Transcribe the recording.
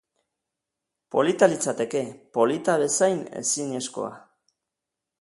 Polita litzateke, polita bezain ezinezkoa.